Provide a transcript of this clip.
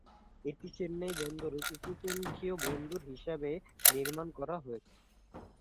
এটি চেন্নাই বন্দরের উপকন্ঠিয় বন্দর হিসাবে নির্মাণ করা হয়েছে।